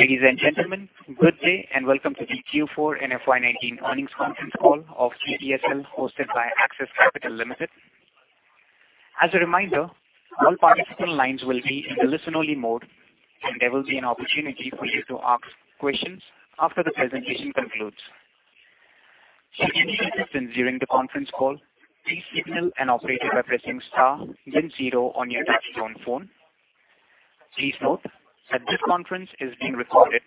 Ladies and gentlemen, good day, and welcome to the Q4 and FY 2019 earnings conference call of CDSL hosted by Axis Capital Limited. As a reminder, all participants' lines will be in listen-only mode, and there will be an opportunity for you to ask questions after the presentation concludes. Should you need assistance during the conference call, please signal an operator by pressing star then zero on your touch-tone phone. Please note that this conference is being recorded.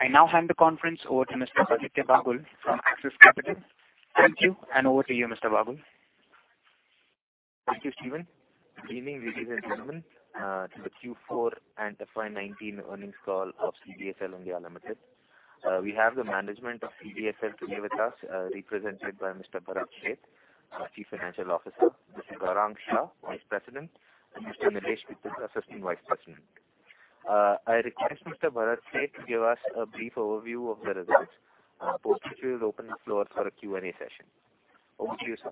I now hand the conference over to Mr. Aditya Bagul from Axis Capital. Thank you. Over to you, Mr. Bagul. Thank you, Steven. Good evening, ladies and gentlemen, to the Q4 and FY 2019 earnings call of CDSL India Limited. We have the management of CDSL today with us, represented by Mr. Bharat Sheth, our Chief Financial Officer, Mr. Gaurang Shah, Vice President, and Mr. Nilesh Kittur, Assistant Vice President. I request Mr. Bharat Sheth to give us a brief overview of the results. After which we will open the floor for a Q&A session. Over to you, sir.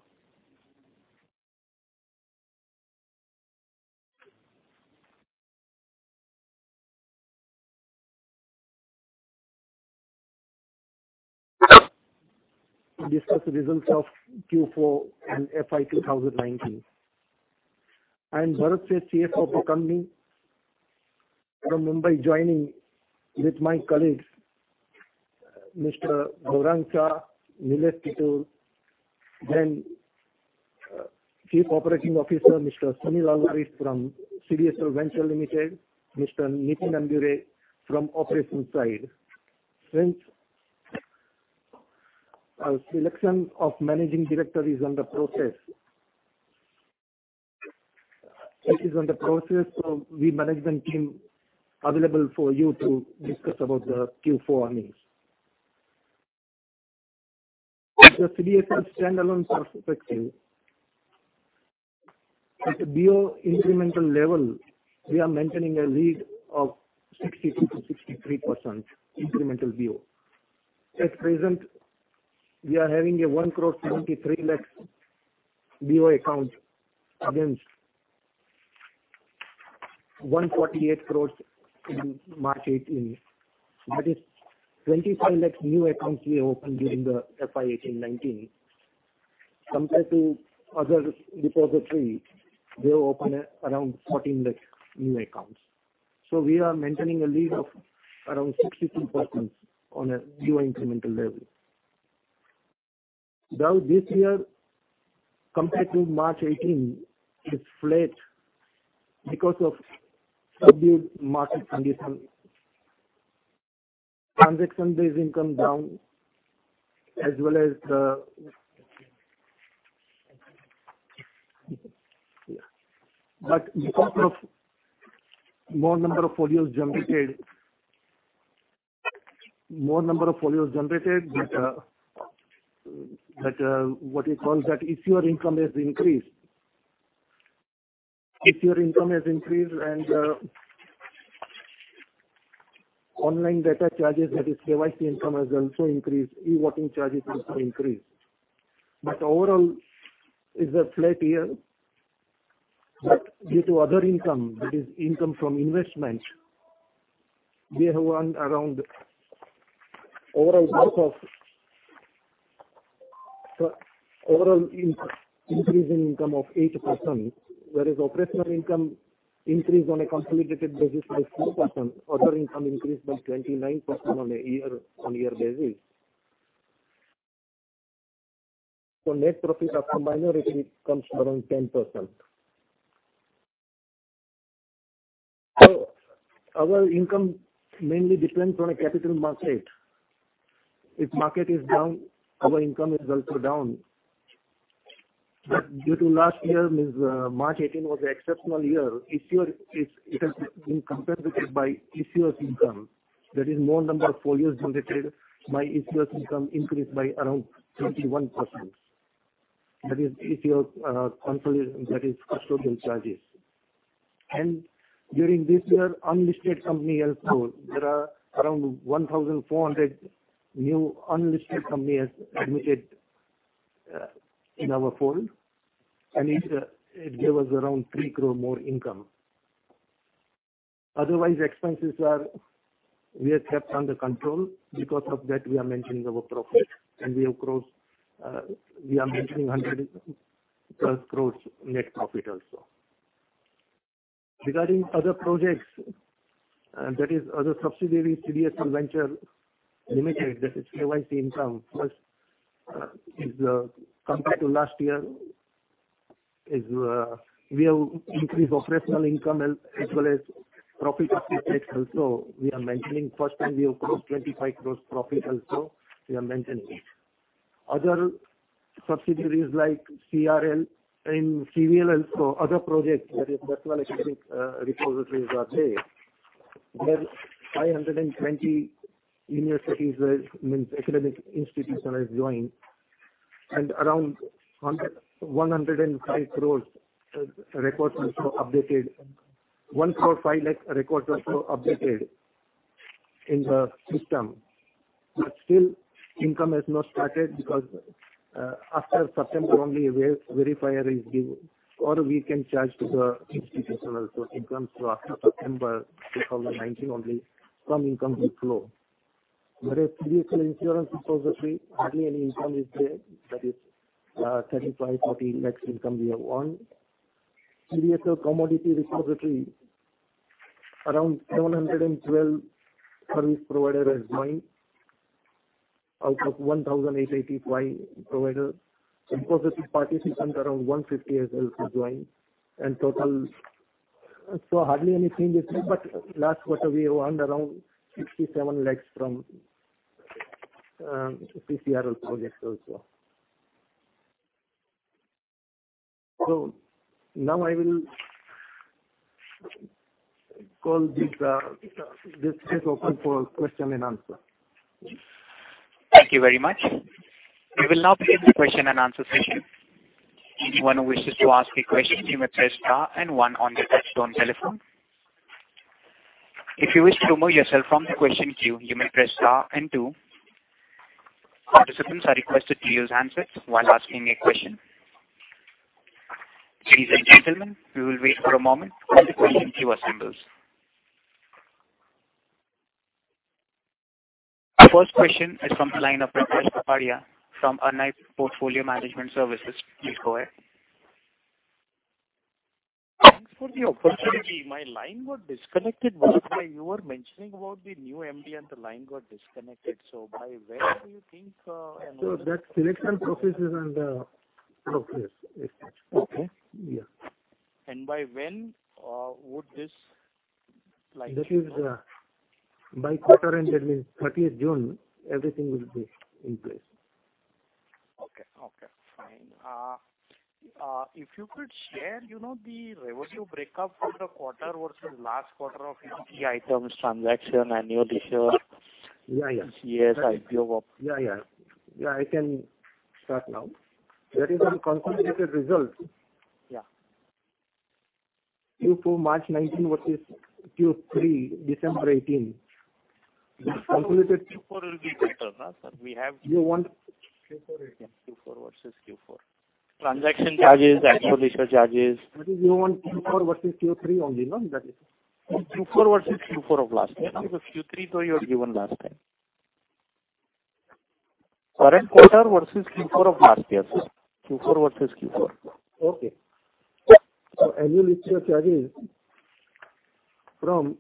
discuss the results of Q4 and FY 2019. I am Bharat Sheth, CFO of the company, from Mumbai joining with my colleagues, Mr. Gaurang Shah, Nilesh Kittur, then Chief Operating Officer, Mr. Sunil Alvares from CDSL Ventures Limited, Mr. Nitin Ambure from operations side. Since our selection of Managing Director is under process. We management team available for you to discuss about the Q4 earnings. The CDSL standalone perspective. At the BO incremental level, we are maintaining a lead of 62%-63% incremental BO. At present, we are having a 1.73 crore BO accounts against 1.48 crores in March 2018. That is 25 lakh new accounts we opened during the FY 2018-2019. Compared to other depository, they open around 14 lakh new accounts. We are maintaining a lead of around 62% on a BO incremental level. Though this year, compared to March 2018, is flat because of subdued market condition, transaction-based income down. Because of more number of folios generated, what you call that issuer income has increased. Issuer income has increased. Online data charges, that is KYC income has also increased, e-voting charges also increased. Overall is a flat year. Due to other income, that is income from investment, we have around overall increase in income of 8%, whereas operational income increased on a consolidated basis by 4%. Other income increased by 29% on year basis. Net profit after minority comes around 10%. Our income mainly depends on a capital market. If market is down, our income is also down. Due to last year, means March 2018 was exceptional year, it has been compensated by issuer income. More number of folios generated by issuers income increased by around 31%. Issuer custodian charges. During this year, unlisted company also, there are around 1,400 new unlisted company has admitted in our fold. It gave us around 3 crore more income. Otherwise, expenses are, we have kept under control. Because of that, we are maintaining our profit. We have crossed, we are maintaining 112 crore net profit also. Regarding other projects, that is other subsidiaries, CDSL Ventures Limited, that is KYC income first compared to last year, we have increased operational income as well as profit after tax also, we are maintaining. First time we have crossed 25 crore profit also, we are maintaining it. Other subsidiaries like CCRL and CVL also, other projects, that is virtual academic repositories are there, where 520 universities, means academic institution has joined and around 105 crore records also updated. 1.5 lakh records also updated in the system. Still, income has not started because after September only a verifier is given or we can charge to the institutional. Income after September 2019, only some income will flow. Whereas CDSL Insurance Repository, hardly any income is there. That is 35 lakh, 40 lakh income we have earned. CDSL Commodity Repository, around 712 service provider has joined out of 1,885 provider. Depository participants, around 150 has also joined and total. Hardly anything this year, but last quarter we have earned around 67 lakh from CCRL projects also. Now I will call this. This is open for question and answer. Thank you very much. We will now begin the question and answer session. Anyone who wishes to ask a question, you may press star 1 on your touchtone telephone. If you wish to remove yourself from the question queue, you may press star 2. Participants are requested to use handset while asking a question. Ladies and gentlemen, we will wait for a moment while the question queue assembles. First question is from the line of Prakash Kapadia from IIFL Portfolio Management Services. Please go ahead. Thanks for the opportunity. My line got disconnected. You were mentioning about the new MD and the line got disconnected. By when do you think, That selection process is under progress. Okay. Yeah. By when would this? That is by quarter end, that means 30th June, everything will be in place. Okay, fine. If you could share the revenue breakup for the quarter versus last quarter of fee items, transaction, annual issuer. Yeah. CS, IPO. Yeah. I can start now. That is on consolidated results. Yeah. Q4 March 2019 versus Q3 December 2018. Q4 will be better, sir. You want- Q4 versus Q4. Transaction charges, actual issue charges. You want Q4 versus Q3 only, no? That is it. Q4 versus Q4 of last year. Q3 though you had given last time. Current quarter versus Q4 of last year. Q4 versus Q4. Okay. Annual issuer charges from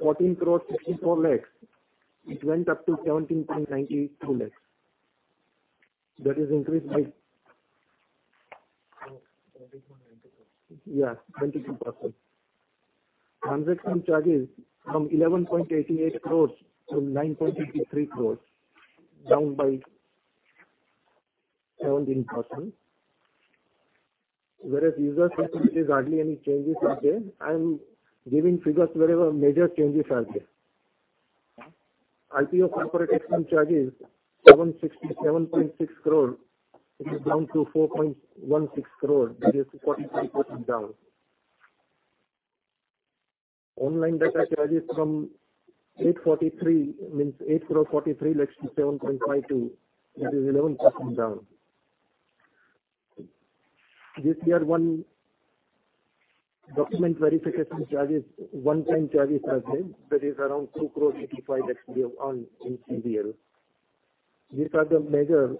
14.64 crore, it went up to 17.92 crore. That is increased by. 17.92 crore. 22%. Transaction charges from 11.88 crore to 9.83 crore, down by 17%. User charges, hardly any changes are there. I am giving figures wherever major changes are there. IPO corporate action charges, 7.6 crore. It is down to 4.16 crore. That is 45% down. Online data charges from 8.43 crore to 7.52 crore. That is 11% down. This year, one document verification charges, one-time charges are there that is around 2.65 crore we have earned in CVL. These are the major.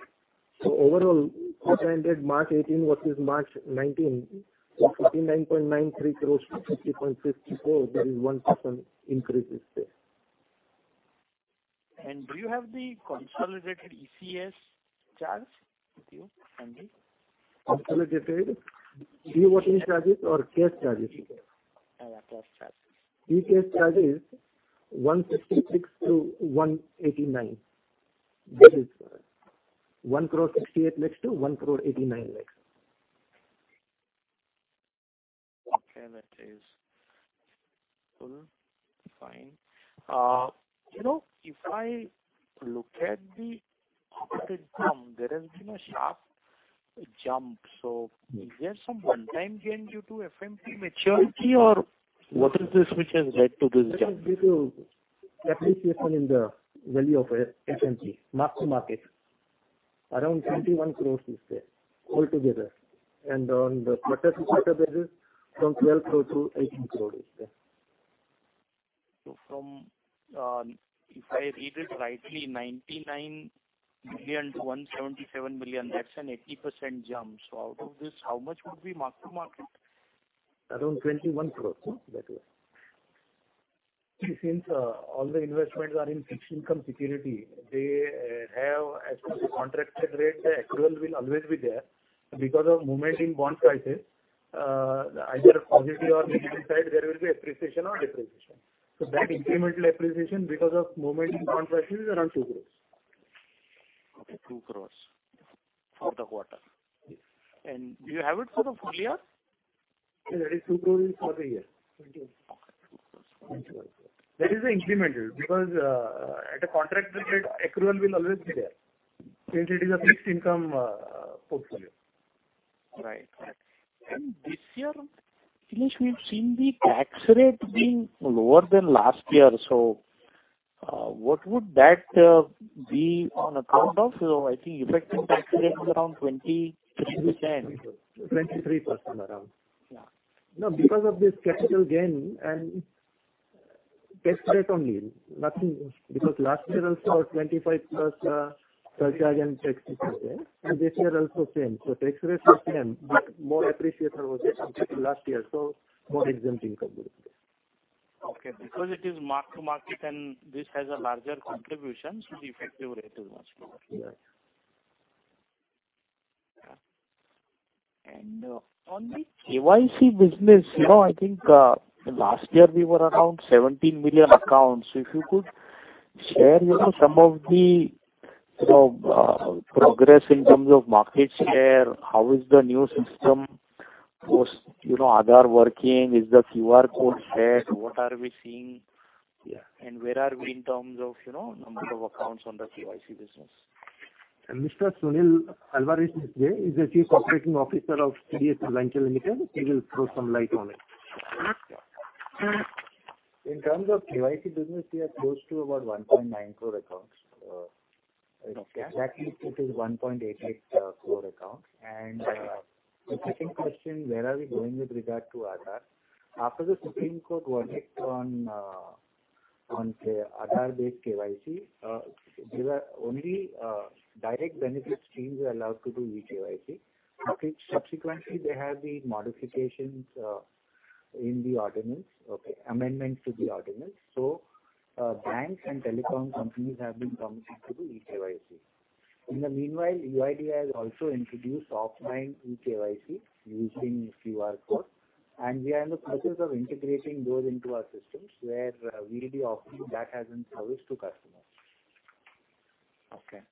Overall, quarter ended March 2018 versus March 2019, from 59.93 crore to 50.54 crore, there is 1% increase is there. Do you have the consolidated eCAS charge with you, MD? Consolidated demat charges or cash charges? Yeah, cash charges. eCAS charges, 166-189. That is 1.68 crore to 1.89 crore. Okay, that is cool. Fine. If I look at the profit jump, there has been a sharp jump. Is there some one-time gain due to FMP maturity or what is this which has led to this jump? There is appreciation in the value of FMP, mark to market. Around 21 crore is there altogether. On the quarter-over-quarter basis, from 12 crore to 18 crore is there. If I read it rightly, 99 million to 177 million, that's an 80% jump. Out of this, how much would be mark to market? Around 21 crore. That way. Since all the investments are in fixed income security, they have, as per the contracted rate, the accrual will always be there. Because of movement in bond prices, either positive or negative side, there will be appreciation or depreciation. That incremental appreciation because of movement in bond prices is around 2 crore. Okay, 2 crore for the quarter. Yes. Do you have it for the full year? That is INR 2 crore for the year. Okay, INR 2 crore. That is the incremental because at a contract rate, accrual will always be there since it is a fixed income portfolio. Right. This year, Dinesh, we've seen the tax rate being lower than last year. What would that be on account of? I think effective tax rate is around 23%. 23% around. Yeah. No, because of this capital gain and tax rate only, nothing. Last year also, 25 plus surcharge and tax was there, and this year also same. Tax rate is same, but more appreciation was there compared to last year, so more exempt income built. Okay. It is mark to market and this has a larger contribution, so the effective rate is much lower. Yes. On the KYC business, I think last year we were around 17 million accounts. If you could share some of the progress in terms of market share, how is the new system post Aadhaar working? Is the QR code shared? What are we seeing? Yeah. Where are we in terms of number of accounts on the KYC business? Mr. Sunil Alvares is here. He's the Chief Operating Officer of CDSL Ventures Limited. He will throw some light on it. Okay. In terms of KYC business, we are close to about 1.9 crore accounts. Okay. Exactly, it is 1.88 crore accounts. The second question, where are we going with regard to Aadhaar? After the Supreme Court verdict on Aadhaar-based KYC, only direct benefit schemes were allowed to do e-KYC. Subsequently, they had the modifications in the ordinance. Okay. Amendments to the ordinance. Banks and telecom companies have been permitted to do e-KYC. In the meanwhile, UIDAI has also introduced offline e-KYC using QR code, and we are in the process of integrating those into our systems, where we will be offering that as a service to customers. Okay.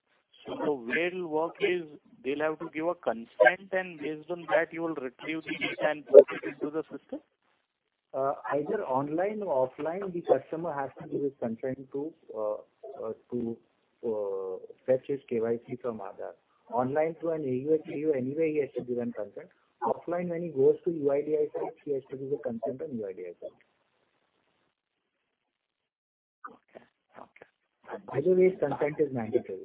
The way it'll work is, they'll have to give a consent, and based on that, you will retrieve the data and put it into the system? Either online or offline, the customer has to give his consent to fetch his KYC from Aadhaar. Online through an AUAA, anyway, he has to give an consent. Offline, when he goes to UIDAI site, he has to give the consent on UIDAI site. Okay. Either way, consent is mandatory.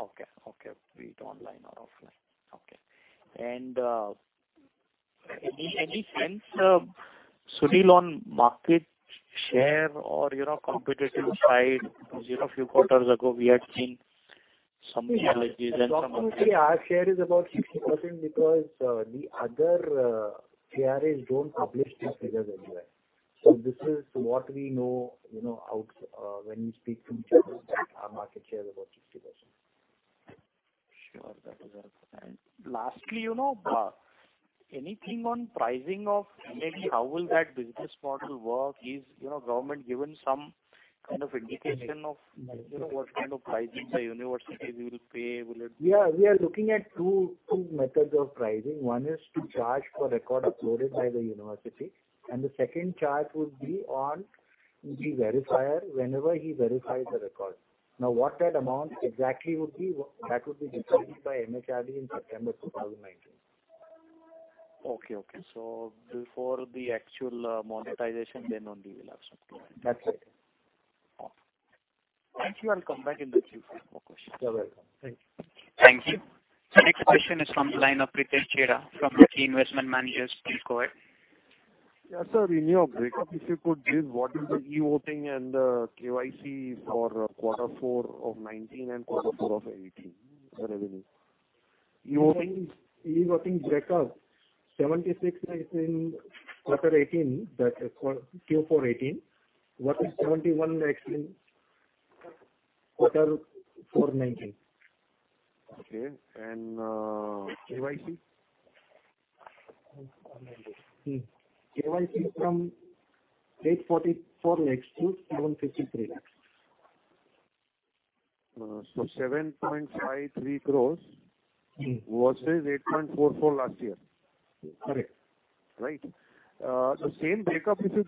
Okay. Be it online or offline. Okay. Any sense, Sunil, on market share or competitive side? Because a few quarters ago, we had seen some challenges. Our share is about 60% because the other KRA don't publish these figures anywhere. This is what we know when you speak to the customers that our market share is about 60%. Sure. That is helpful. Lastly, anything on pricing of NAD? How will that business model work? Is government given some kind of indication of what kind of pricing the universities will pay? We are looking at two methods of pricing. One is to charge for record uploaded by the university, and the second charge would be on the verifier whenever he verifies the record. What that amount exactly would be, that would be determined by MHRD in September 2019. Okay. Before the actual monetization, then only we'll have some clue. That's it. Okay. Thank you. I'll come back in the queue for more questions. You're welcome. Thank you. Thank you. Thank you. The next question is from the line of Pritesh Chheda from Kotak Investment Managers. Please go ahead. Yeah, sir, in your breakup, if you could give what is the e-voting and KYC for quarter four of 2019 and quarter four of 2018, the revenue. E-voting breakup, INR 76 lakhs in quarter 2018, Q4 2018 versus 71 lakhs in quarter four 2019. Okay. KYC? KYC from 8.44 lakhs to 7.53 lakhs. 7.53 crores versus 8.44 crores last year. Correct. Right. The same breakup, if you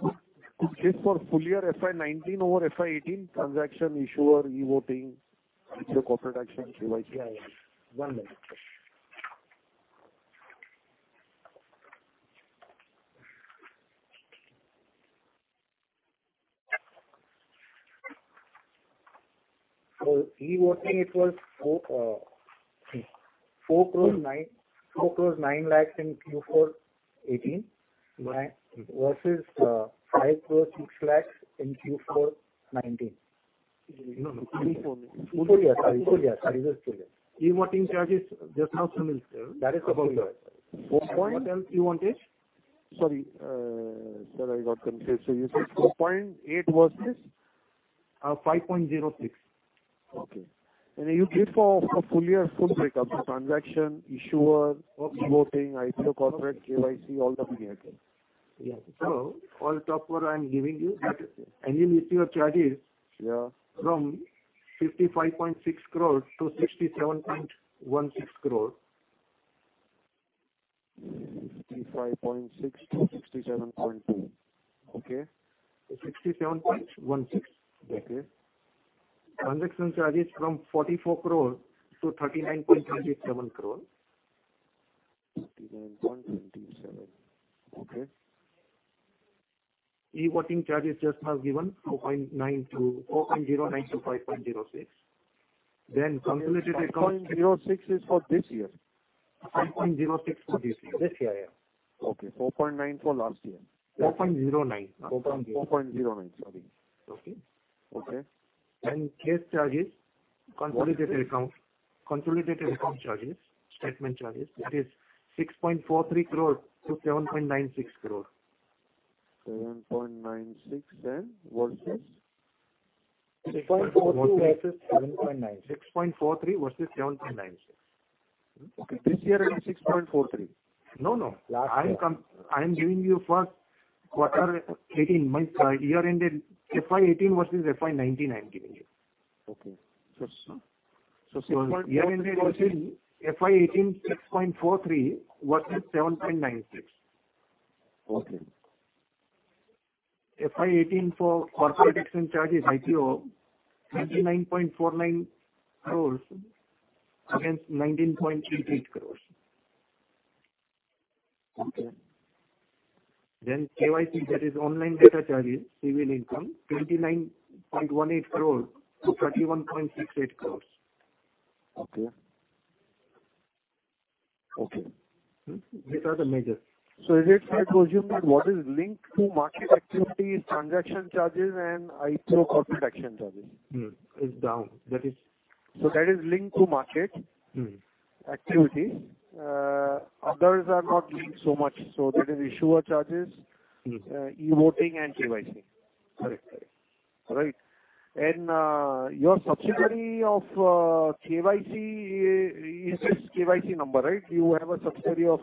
could give for full year FY 2019 over FY 2018, transaction, issuer, e-voting, RTO corporate action, KYC. Yes. One minute. E-voting, it was 4.09 crore in Q4 2018 versus 5.06 crore in Q4 2019. No, full year. Full year, sorry. e-voting charges, just now Sunil said. That is the full year. 4 point- What else you wanted? Sorry. Sir, I got confused. You said 4.8 versus? 5.06. Okay. You give for full year, full breakup. Transaction, issuer, e-voting, RTO corporate, KYC, all the four here. Yes, sir. All the four I am giving you, annual issuer charges- Yeah from 55.6 crore to 67.16 crore. 55.6 crore-INR 67.2 crore. Okay. 67.16. Okay. Transaction charges from 44 crore-39.37 crore. 39.37 crore. Okay. e-voting charges just now given, 4.09 crore-5.06 crore. 4.06 crore is for this year? 4.06 crore for this year. This year, yeah. Okay. 4.9 crore for last year. 4.09 crore. 4.09 crore, sorry. Okay. Okay. Cash charges, consolidated account charges, statement charges, that is 6.43 crore-7.96 crore. 7.96 crore, versus? 6.43 crore versus 7.96 crore. 6.43 crore versus 7.96 crore. Okay. This year it is 6.43 crore. No, no. Last year. I am giving you for FY 2018 versus FY 2019, I'm giving you. Okay. FY 2018, INR 6.43 crore versus INR 7.96 crore. Okay. FY 2018 for corporate action charges, IPO, 29.49 crore against 19.38 crore. Okay. KYC, that is online data charges, CVL income, 29.18 crore-31.68 crore. Okay. These are the major. Is it fair to assume that what is linked to market activity is transaction charges and IPO corporate action charges? Mm-hmm. Is down. That is linked to market activities. Others are not linked so much. That is issuer charges, e-voting, and KYC. Correct. All right. Your subsidiary of KYC is this KYC number, right? You have a subsidiary of.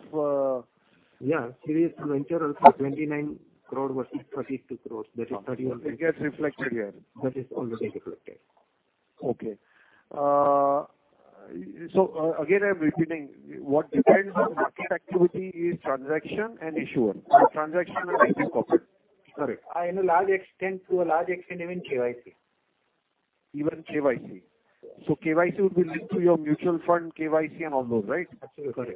Yeah, CDSL Ventures also 29 crore versus 32 crore. That is 31.68 crore. It gets reflected here. That is already reflected. Okay. Again, I'm repeating, what depends on market activity is transaction and issuer, or transaction and IPO corporate. Correct. To a large extent, even KYC. Even KYC. KYC would be linked to your mutual fund KYC and all those, right? Absolutely.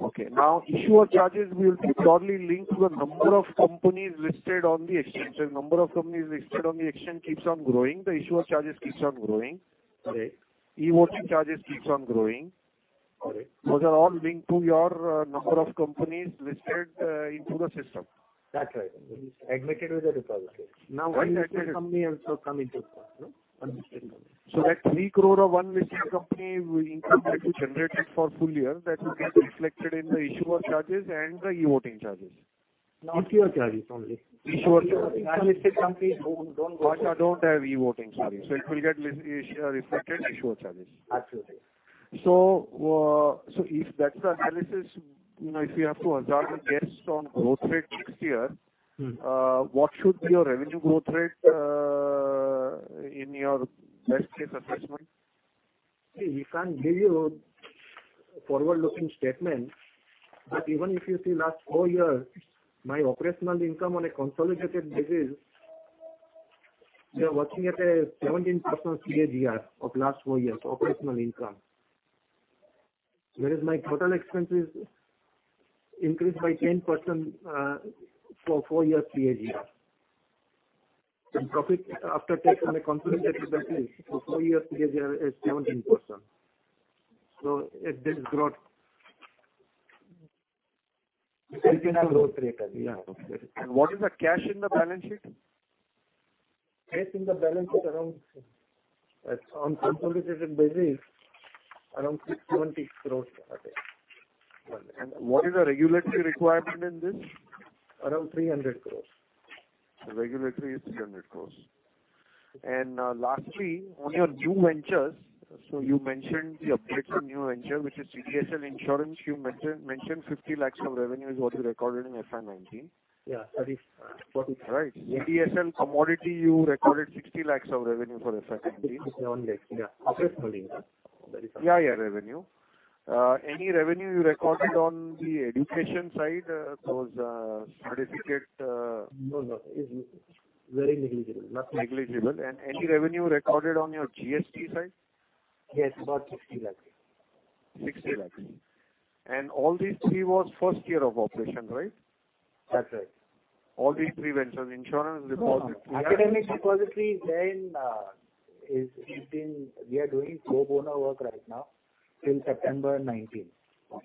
Okay. Now issuer charges will be broadly linked to the number of companies listed on the exchange. If number of companies listed on the exchange keeps on growing, the issuer charges keeps on growing. Correct. e-voting charges keeps on growing. Correct. Those are all linked to your number of companies listed into the system. That's right. Admitted with the depository. Unlisted company also come into play, no? Unlisted company. That INR 3 crore of one listed company income that you generated for full year, that will get reflected in the issuer charges and the e-voting charges. IPO charges only. Issuer charges. Unlisted companies don't vote. Don't have e-voting. Sorry. It will get reflected in issuer charges. Absolutely. If that's the analysis, if you have to hazard a guess on growth rate next year. Mm-hmm. What should be your revenue growth rate in your best case assessment? We can't give you forward-looking statements. Even if you see last four years, my operational income on a consolidated basis, we are working at a 17% CAGR of last four years operational income. Whereas my total expenses increased by 10% for four years CAGR. Profit after tax on a consolidated basis for four years CAGR is 17%. It did grow. You are saying a growth rate again. What is the cash in the balance sheet? Cash in the balance sheet, on consolidated basis, around 670 crore roughly. What is the regulatory requirement in this? Around 300 crore. Regulatory is 300 crore. Lastly, on your new ventures, you mentioned the updates on new venture, which is CDSL Insurance. You mentioned 50 lakh of revenue is what you recorded in FY 2019. That is what. Right. CDSL Commodity, you recorded 60 lakh of revenue for FY 2019. Only, yeah. Operational, yeah. That is. Yeah, revenue. Any revenue you recorded on the education side? Those certificate. No. It is very negligible. Negligible. Any revenue recorded on your GST side? Yes, about 60 lakh. 60 lakh. All these three was first year of operation, right? That is right. All these three ventures, insurance, National Academic Depository, we are doing pro bono work right now till September 2019.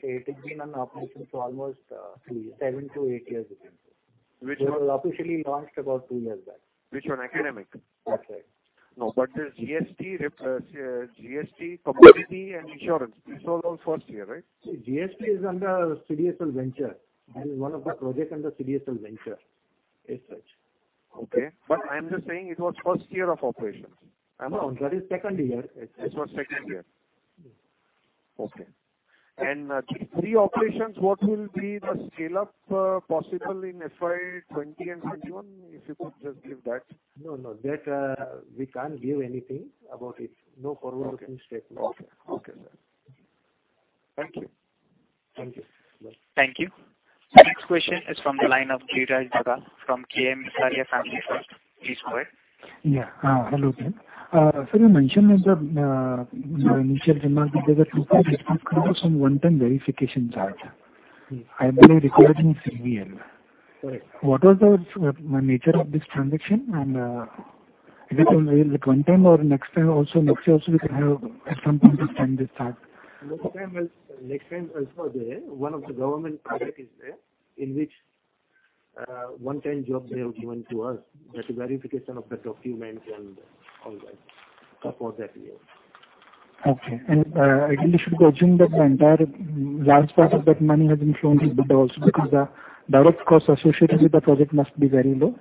It has been on operation for almost seven to eight years. Which one? We officially launched about two years back. Which one? Academic? That is right. No, but the GST, commodity, and insurance, these were all first year, right? GST is under CDSL Ventures. That is one of the project under CDSL Ventures. It is such. Okay. But I am just saying it was first year of operations. Am I wrong? No, that is second year. It was second year. Yes. Okay. These operations, what will be the scale-up possible in FY 2020 and 2021? If you could just give that. No. That, we cannot give anything about it. No forward-looking statement. Okay. Okay, sir. Thank you. Thank you. The next question is from the line of Girish Dada from K.M. Visaria Family Trust. Please go ahead. Yeah. Hello, Girish. Sir, you mentioned in your initial remarks that the group has some one-time verification charge. I believe recorded in CVL. Correct. What was the nature of this transaction? Is it a one-time or next time also, next year also we can have at some point this time this charge? Next time as well. Next time also there. One of the government project is there, in which one-time job they have given to us. That verification of the documents and all that for that year. Okay. Ideally should we assume that the entire large part of that money has been flown to EBITDA also because the direct costs associated with the project must be very low?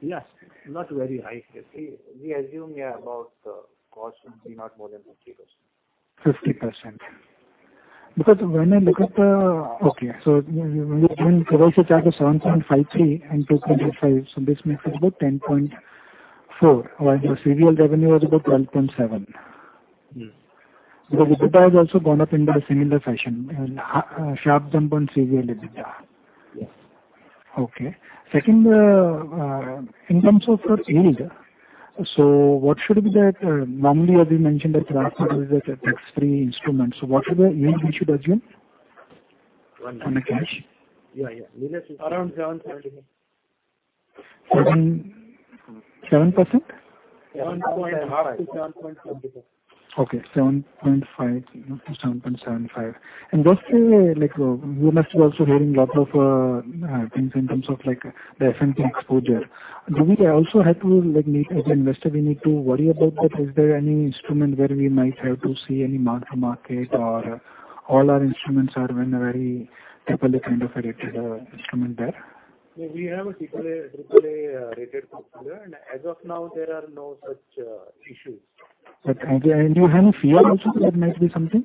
Yes. Not very high. We assume, yeah, about the cost should be not more than 50%. 50%. When I look at the. Okay. When you're given charge of 7.53 and 225, this makes it about 10.4, while your CVL revenue was about 12.7. Yes. The EBITDA has also gone up in the similar fashion and sharp jump on CVL EBITDA. Yes. Okay. Second, in terms of your yield. Normally as you mentioned, the draft is a tax-free instrument. What should the yield we should assume? On cash? On the cash. Yeah. Around 7.3%. 7%? 7.5 to 7.75. Okay, 7.5 to 7.75. Lastly, you must be also hearing lot of things in terms of the FMC exposure. Do we also have to, like as an investor, we need to worry about that? Is there any instrument where we might have to see any mark to market or all our instruments are in a very AAA kind of a rated instrument there? No. We have a AAA rated customer. As of now, there are no such issues. Do you have a fear also that might be something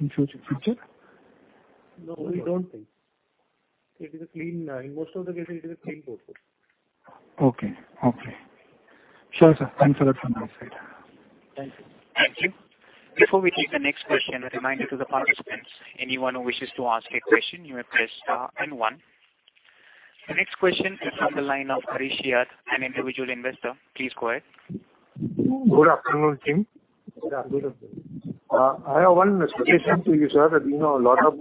in future? No, we don't think. In most of the cases it is a clean portfolio. Okay. Sure, sir. Thanks a lot from my side. Thank you. Thank you. Before we take the next question, a reminder to the participants, anyone who wishes to ask a question, you may press star and one. The next question is from the line of Harish Yard, an individual investor. Please go ahead. Good afternoon, team. Good afternoon. I have one suggestion to you, sir, that lot of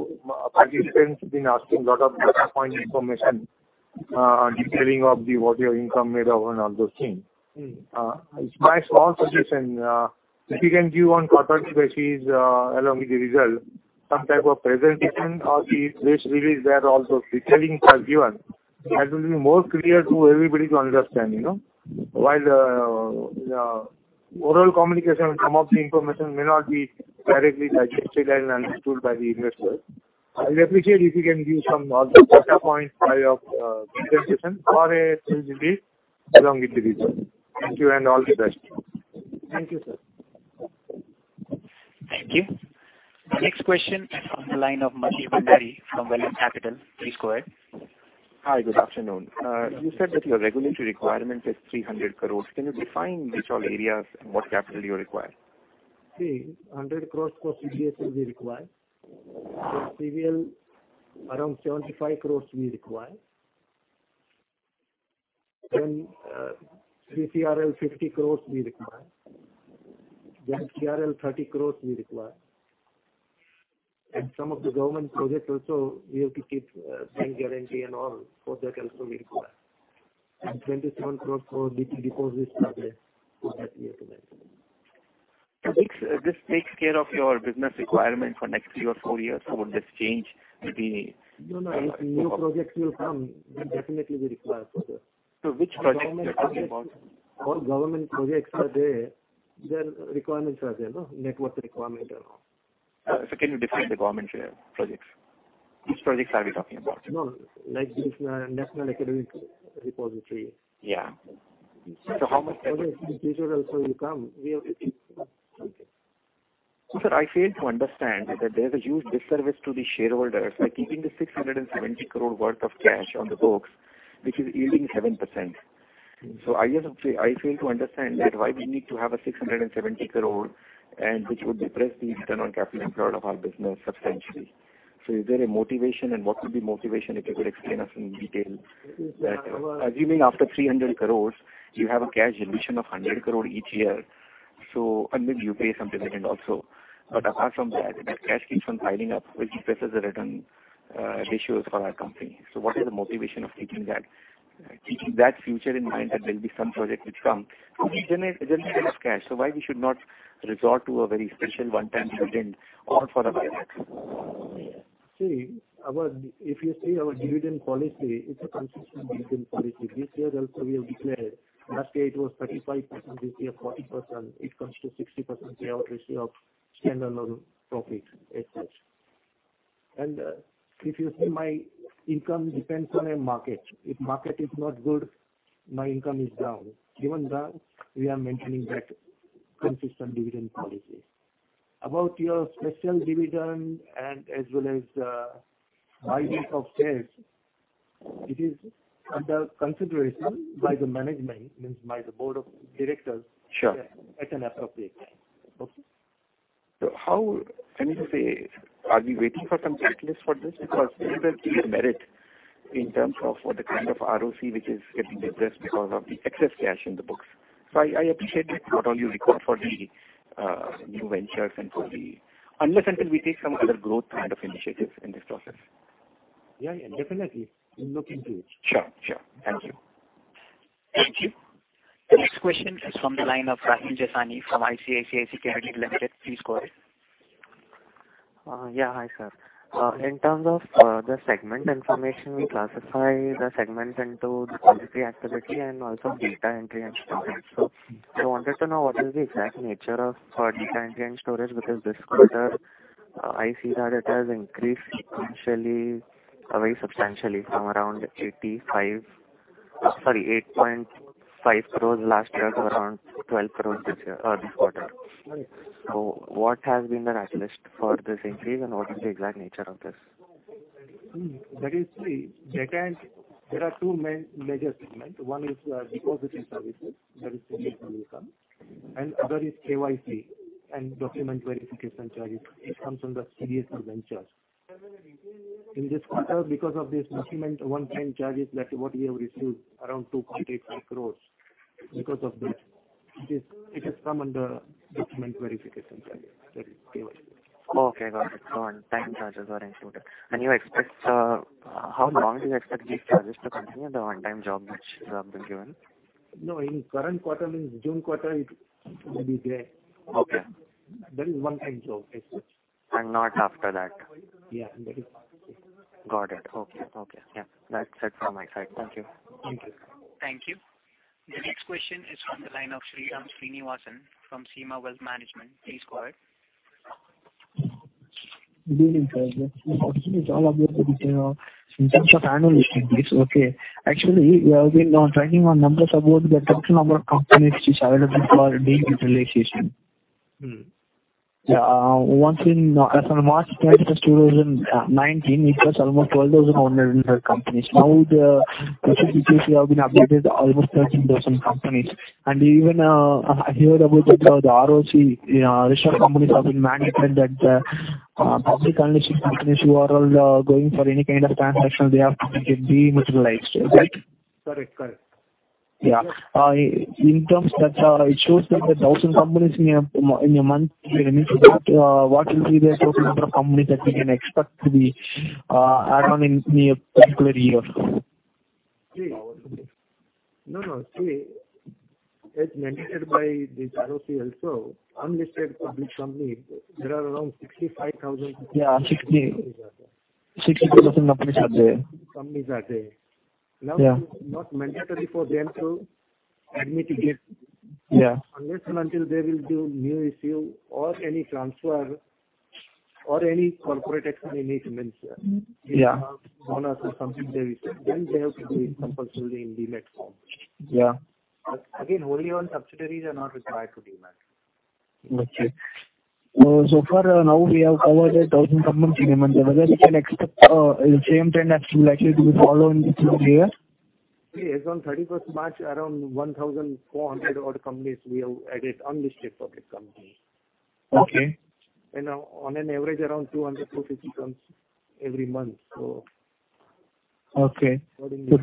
participants been asking lot of data point information, detailing of what your income made of and all those things. My small suggestion, if you can give on quarterly basis, along with the result, some type of presentation or the press release where all those detailings are given, that will be more clear to everybody to understand. While the oral communication, some of the information may not be directly digested and understood by the investor. I'll appreciate if you can give some of the data points via presentation or a press release along with the result. Thank you and all the best. Thank you, sir. Thank you. The next question is from the line of [Majib Henri] from William Capital. Please go ahead. Hi, good afternoon. You said that your regulatory requirement is 300 crore. Can you define which all areas and what capital you require? 100 crore for CBS will be required. For CVL, around 75 crore we require. CCRL 50 crore we require. CRL 30 crore we require. Some of the government projects also we have to keep bank guarantee and all, for that also we require. 27 crore for DP deposits are there for that year to make. This takes care of your business requirement for next three or four years. No. If new projects will come, we'll definitely be required for that. Which project you're talking about? All government projects are there, their requirements are there. Network requirement and all. Can you define the government projects? Which projects are we talking about? Like this National Academic Depository. Yeah. Other future also will come. We have to keep. Okay, sir, I fail to understand that there's a huge disservice to the shareholders by keeping the 670 crore worth of cash on the books, which is yielding 7%. I fail to understand that why we need to have a 670 crore and which would depress the return on capital employed of our business substantially. Is there a motivation and what would be motivation, if you could explain us in detail? Assuming after 300 crore, you have a cash generation of 100 crore each year, and maybe you pay some dividend also. Apart from that cash keeps on piling up, which depresses the return ratios for our company. What is the motivation of keeping that future in mind that there'll be some project which come, it'll generate a lot of cash. Why we should not resort to a very special one-time dividend or for a buyback? If you see our dividend policy, it's a consistent dividend policy. This year also we have declared, last year it was 35%, this year 40%, it comes to 60% payout ratio of standalone profit, et cetera. If you see, my income depends on a market. If market is not good, my income is down. Given that, we are maintaining that consistent dividend policy. About your special dividend and as well as buyback of shares It is under consideration by the management, means by the board of directors. Sure. I can update. Okay? How can you say, are we waiting for some catalyst for this? There is a clear merit in terms of the kind of ROC which is getting depressed because of the excess cash in the books. I appreciate it, not only record for the new ventures and for the Unless, until we take some other growth kind of initiatives in this process. Yeah, definitely. We'll look into it. Sure. Thank you. Thank you. Thank you. The next question is from the line of Rahil Jasani from ICICI Securities Limited. Please go ahead. Hi, sir. In terms of the segment information, we classify the segment into depository activity and also data entry and storage. I wanted to know what is the exact nature of data entry and storage, because this quarter I see that it has increased sequentially very substantially from around 8.5 crore last year to around 12 crore this quarter. What has been the catalyst for this increase and what is the exact nature of this? There are two major segments. One is depository services, that is CDSL income, and other is KYC and document verification charges. It comes under CDSL Ventures. In this quarter, because of this document one-time charges that what we have received around 2.85 crore. Because of that, it has come under document verification charges, that is KYC. Okay, got it. One-time charges were included. How long do you expect these charges to continue, the one-time job which you have been given? No, in current quarter, means June quarter, it will be there. Okay. That is one-time job. Not after that? Yeah. Got it. Okay. Yeah, that's it from my side. Thank you. Thank you. Thank you. The next question is from the line of Sriram Srinivasan from KSEMA Wealth Management. Please go ahead. Good evening, sir. Good evening. In terms of annual listings, actually, we have been tracking on numbers about the total number of companies which is available for dematerialization. As on March 25th, 2019, it was almost 12,100 companies. Now, the percentages have been updated to almost 13,000 companies. Even I hear about the ROC list of companies have been managed and that public unlisted companies who are all going for any kind of transaction, they have to get dematerialized. Is that right? Correct. Yeah. In terms that it shows that the 1,000 companies in a month. What will be the total number of companies that we can expect to be add on in a particular year? No. See, as mandated by this ROC also, unlisted public company, there are around 65,000- Yeah, 60,000 companies are there. Companies are there. Yeah. Now, it's not mandatory for them to admit it. Yeah. Unless and until they will do new issue or any transfer or any corporate action they need to mention. Yeah. Bonus or something they receive, then they have to do it compulsorily in demat form. Yeah. Again, wholly owned subsidiaries are not required to demat. Okay. Far now we have covered 1,000 companies in a month. Whether we can expect the same trend actually to be followed in the future? As on 31st March, around 1,400 odd companies we have added, unlisted public company. Okay. On an average, around 250 comes every month. Okay. 200 to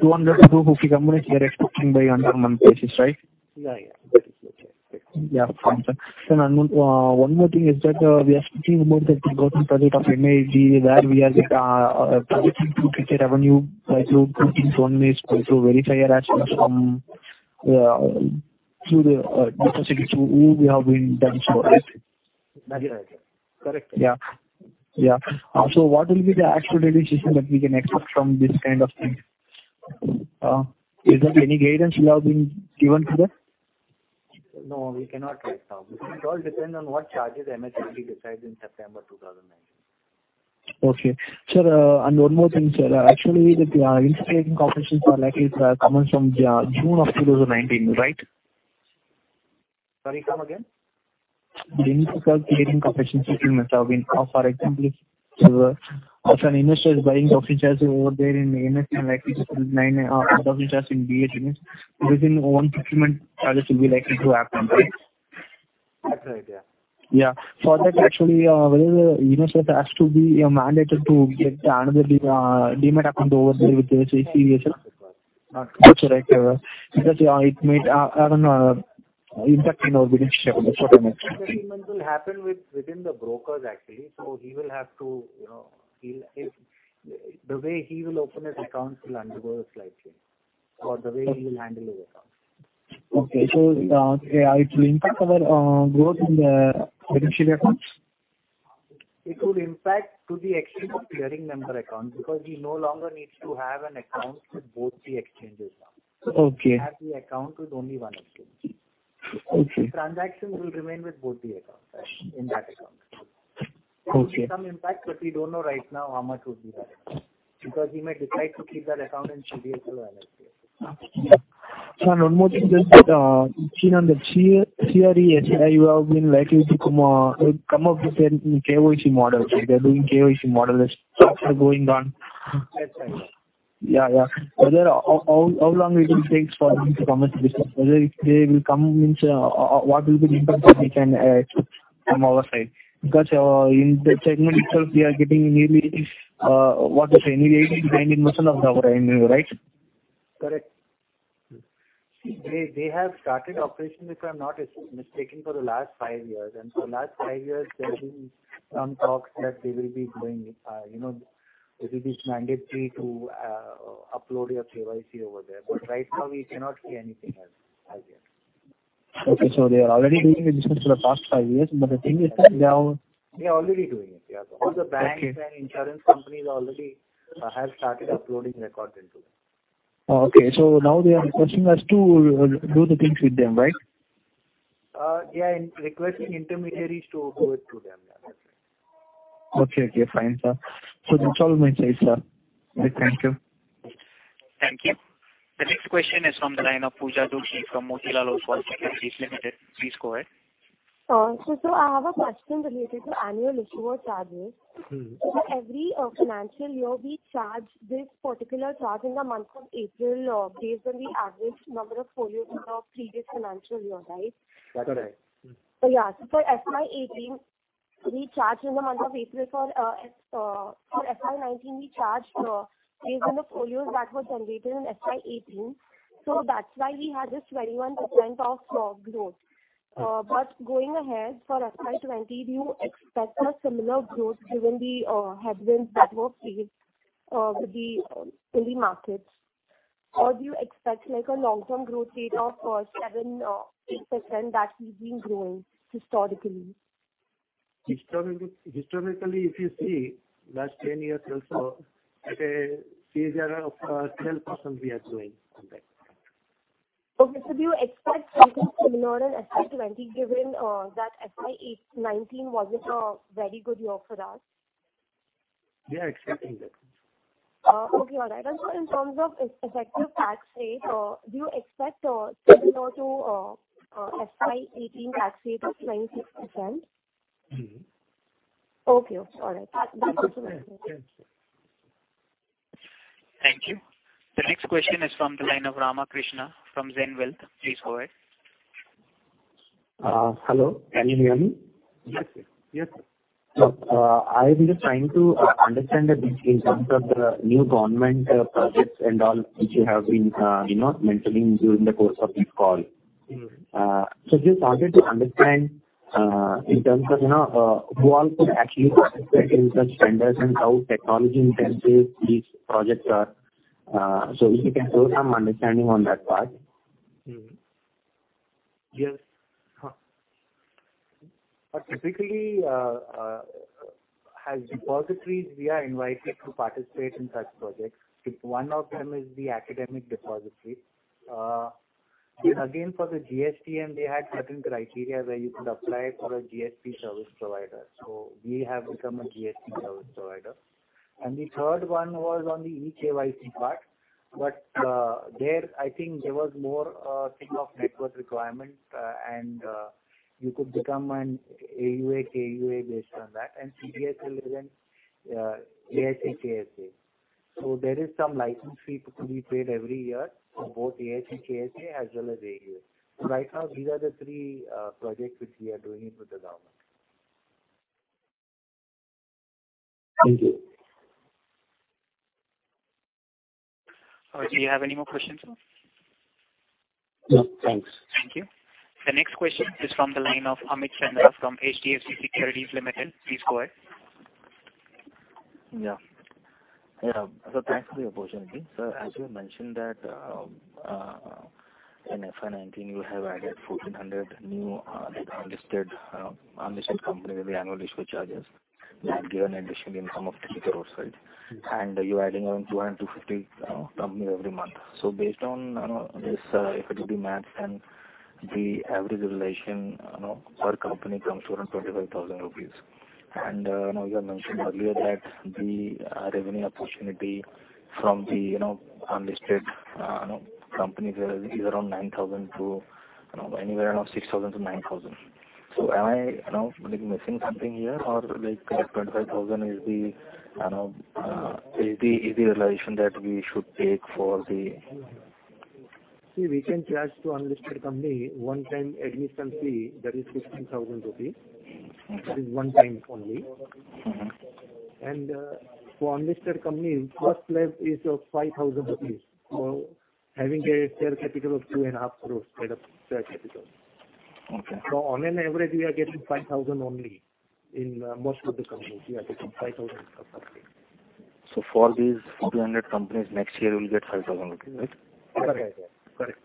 250 companies we are expecting by under month basis, right? Yeah. That is okay. Got it. Sir, one more thing is that we are speaking about the ongoing project of NSDL where we are projecting to create a revenue by through verifier rational from, through the necessity through whom we have been done this for, right? That is right. Correct. Yeah. What will be the actual realization that we can expect from this kind of thing? Is there any guidance you have been given to that? No, we cannot right now. It all depends on what charges NSDL decides in September 2019. Okay. Sir, one more thing, sir. Actually, the intra-day clearing coefficients are likely to come on from June of 2019, right? Sorry, come again. The intra-day clearing coefficients which have been, for example, if an investor is buying 10 shares over there in NS and likely to sell nine or 10 shares in BSE, within one settlement charges will be likely to happen, right? That's right. Yeah. Yeah. For that, actually, whether the investor has to be mandated to get another demat account over there with the CDSL? That's right. It may, I don't know, impact in our business, that's what I meant. Settlement will happen within the brokers, actually. The way he will open his account will undergo a slight change, or the way he will handle his account. Okay. It will impact our growth in the subsidiary accounts? It will impact to the extent of clearing member account, because he no longer needs to have an account with both the exchanges now. Okay. He will have the account with only one exchange. Okay. Transactions will remain with both the accounts, in that account. Okay. There will be some impact, but we don't know right now how much would be that impact. Because he may decide to keep that account in CDSL or NSDL. One more thing, just that on the CERSAI side, you have been likely to come up with an KYC model. They're doing KYC model, that's also going on. That's right. Yeah. How long it will take for them to come with this? Whether if they will come, what will be the impact that we can expect from our side? Because in that segment itself, we are getting nearly 80%, 90% of our annual, right? Correct. They have started operations, if I'm not mistaken, for the last five years. For last five years, there's been some talks that it will be mandatory to upload your KYC over there. Right now, we cannot say anything as yet. Okay, they are already doing this business for the past five years. They are already doing it. Yeah. Okay. All the banks and insurance companies already have started uploading records into them. Okay. Now they are requesting us to do the things with them, right? Requesting intermediaries to do it through them. That's it. Okay, fine, sir. That's all my side, sir. Thank you. Thank you. The next question is from the line of Pooja Doshi from Motilal Oswal Financial Services Limited. Please go ahead. I have a question related to annual issuer charges. Every financial year, we charge this particular charge in the month of April, based on the average number of folios of previous financial year, right? Correct. For FY 2018, we charged in the month of April. For FY 2019, we charged based on the folios that were generated in FY 2018. That's why we had this 21% of growth. Going ahead for FY 2020, do you expect a similar growth given the headwinds that were faced in the markets? Or do you expect like a long-term growth rate of 7% or 8% that we've been growing historically? Historically, if you see last 10 years or so, at a CAGR of 12%, we are growing on that. Okay. Do you expect something similar in FY 2020, given that FY 2019 wasn't a very good year for us? We are expecting that. Okay. All right. Sir, in terms of effective tax rate, do you expect similar to FY 2018 tax rate of 26%? Okay. All right. That was it. Yes. Thank you. The next question is from the line of Rama Krishna from Zenwealth. Please go ahead. Hello, can you hear me? Yes. I've been just trying to understand the details of the new government projects and all, which you have been mentioning during the course of this call. Just wanted to understand in terms of who all could actually participate in such tenders and how technology-intensive these projects are. If you can throw some understanding on that part. Yes. Typically, as depositories, we are invited to participate in such projects. One of them is the Academic Depository. Again, for the GSTN, they had certain criteria where you could apply for a GST service provider. We have become a GST service provider. The third one was on the e-KYC part. There, I think there was more a thing of network requirement, and you could become an AUA, KUA based on that, and CDSL agent, ASA, KSA. There is some license fee to be paid every year for both ASA, KSA, as well as AUA. Right now, these are the three projects which we are doing with the government. Thank you. Do you have any more questions, sir? No, thanks. Thank you. The next question is from the line of Amit Chandra from HDFC Securities Limited. Please go ahead. Yeah. Sir, thanks for the opportunity. Sir, as you mentioned that in FY 2019, you have added 1,400 new unlisted companies in the annual issuer charges that give an additional income of INR 3 crores, right? You're adding around 200-250 companies every month. Based on this, if it will be matched, then the average relation per company comes to around 25,000 rupees. You have mentioned earlier that the revenue opportunity from the unlisted companies is anywhere around 6,000-9,000. Am I missing something here or like 25,000 is the relation that we should take for the See, we can charge to unlisted company one-time admission fee, that is 16,000 rupees. This is one time only. For unlisted company, first slab is of 5,000 rupees for having a share capital of 2.5 crore paid-up share capital. Okay. On an average, we are getting 5,000 only. In most of the companies, we are getting 5,000 approximately. For these 1,400 companies, next year we'll get 5,000 rupees, right? Correct,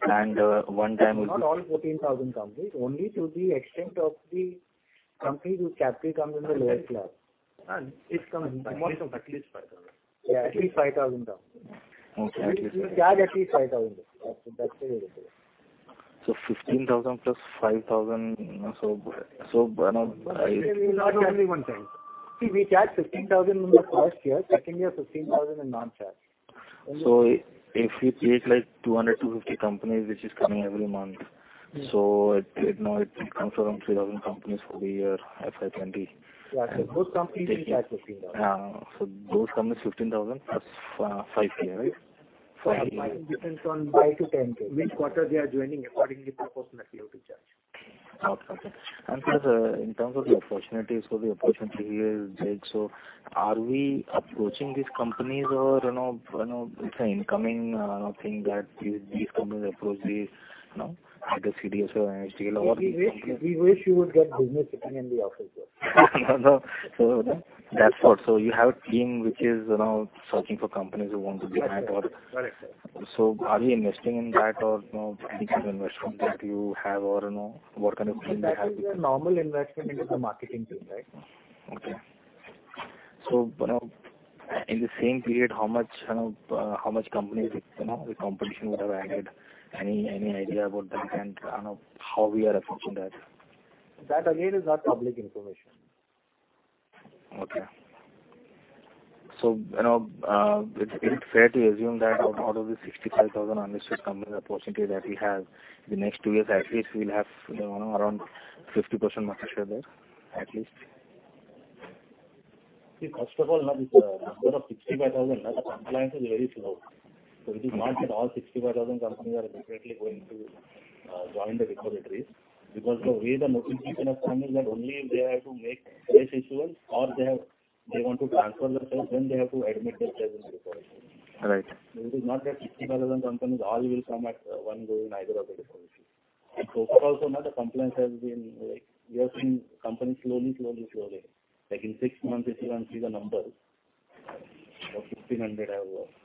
sir. One time will be Not all 1,400 companies, only to the extent of the companies whose capital comes in the lower slab. It comes at least 5,000. At least 5,000 companies. Okay. We charge at least INR 5,000. That's the way to look at it. 15,000 plus 5,000. See, we charge 15,000 in the first year, second year 15,000 and non-charge. If we create 200, 250 companies, which is coming every month. It comes around 3,000 companies for the year FY 2020. Yeah. Those companies will charge 15,000. Those companies 15,000 plus 5,000, right? Depends on. 5,000-10,000. which quarter they are joining, accordingly, proportionately we have to charge. Sir, in terms of the opportunities for the opportunity here, are we approaching these companies or it's an incoming thing that these companies approach these, either CDSL or NSDL? We wish we would get business sitting in the office. No. That's what. You have a team which is searching for companies who want to be added or? Correct. Are we investing in that or any kind of investment that you have or what kind of thing they have? That is a normal investment into the marketing team, right? In the same period, how much companies the competition would have added? Any idea about that and how we are approaching that? That again is not public information. Okay. Is it fair to assume that out of the 65,000 unlisted companies, the percentage that we have, the next two years, at least we'll have around 50% market share there, at least? See, first of all, this number of 65,000, the compliance is very slow. It is not that all 65,000 companies are immediately going to join the repositories because the way the notification has come is that only if they have to make fresh issuance or they want to transfer themselves, then they have to admit themselves in the repository. Right. It is not that 65,000 companies all will come at one go in either of the repositories. Far also, the compliance has been like, we have seen companies slowly. Like in six months, if you want to see the numbers, about 1,500 have joined.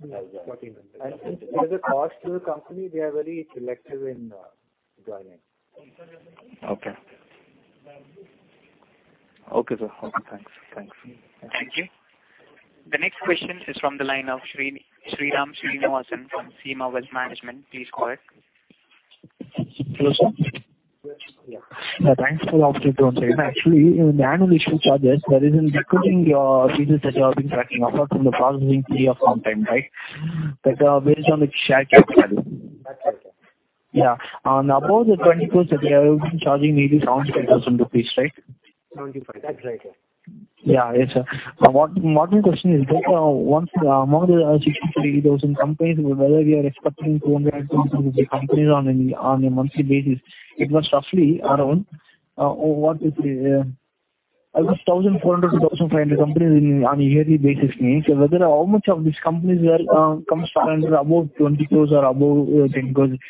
1,400. Since there's a cost to the company, they are very selective in joining. Okay. Okay, sir. Thanks. Thank you. The next question is from the line of Sriram Srinivasan from Seema Wealth Management. Please go ahead. Hello, sir. Yes. Thanks for the opportunity once again. In the annual issue charges, that is including your fees that you have been tracking apart from the processing fee of company, right? That are based on the share capital. That's right, sir. Above the INR 20 crores that you have been charging maybe around INR 10,000, right? 75. That's right, sir. Yes, sir. What my question is that once among the 63,000 companies, whether we are expecting 200,000 companies on a monthly basis, it was roughly around, what is it? I guess 1,400-1,500 companies on a yearly basis. How much of these companies comes under above 20 crores or above 10 crores? This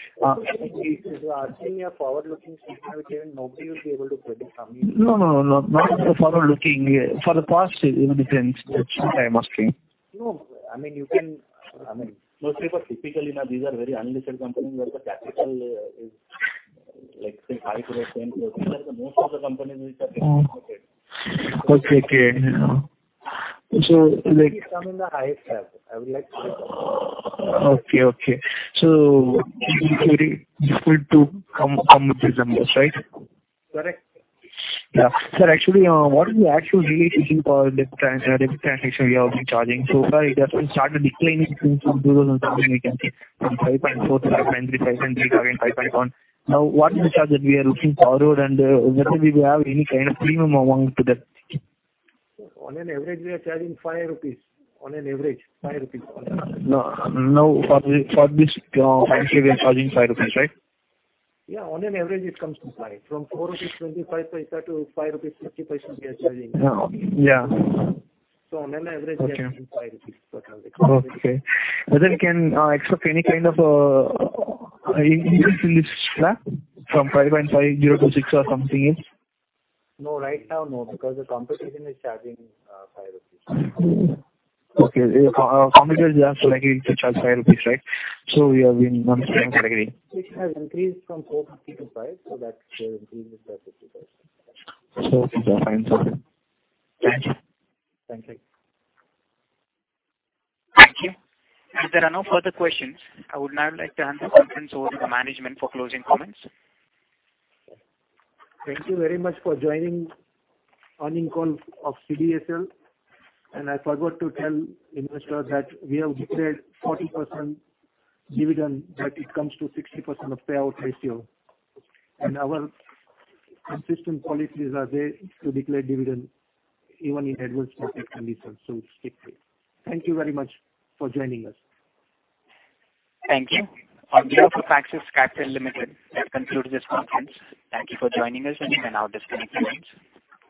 is asking a forward-looking statement which even nobody will be able to predict, I mean. No, not forward-looking. For the past even it can, sometimes mostly. No. Most people typically know these are very unlisted companies where the capital is, like say INR 5 crore, INR 10 crore. These are the most of the companies which are being floated. Okay. They come in the highest cap, I would like to say that. Okay. It will be difficult to come with these numbers, right? Correct. Yeah. Sir, actually, what is the actual rate issue for debit transaction we have been charging? Far it has been started declining from 2017, I can see from 5.4 to 5.3, 5.3 again 5.1. What is the charge that we are looking forward and whether we have any kind of premium amount to that? On an average, we are charging 5 rupees. No, for this actually we are charging 5 rupees, right? Yeah. On an average, it comes to five. From 4.25 rupees to INR 5.50, we are charging. Yeah. On an average we are charging INR five per transaction. Okay. Whether we can expect any kind of increase in this slab from 5.50 to 6 or something else? No, right now, no because the competition is charging INR five. Okay. Competition is also likely to charge 5 rupees, right? So we have been one same category. Which has increased from 4.50 to 5 so that increase is by 0.50. Okay, sir. Fine. Thank you. Thank you. Thank you. As there are no further questions, I would now like to hand the conference over to management for closing comments. Thank you very much for joining earnings call of CDSL and I forgot to tell investors that we have declared 40% dividend but it comes to 60% of payout ratio and our consistent policies are there to declare dividend even in adverse market conditions so stick with. Thank you very much for joining us. Thank you. On behalf of Axis Capital Limited, I conclude this conference. Thank you for joining us and you may now disconnect your lines.